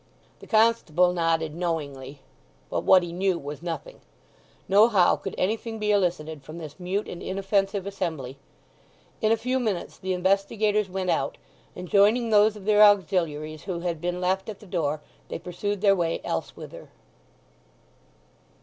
The constable nodded knowingly, but what he knew was nothing. Nohow could anything be elicited from this mute and inoffensive assembly. In a few minutes the investigators went out, and joining those of their auxiliaries who had been left at the door they pursued their way elsewhither.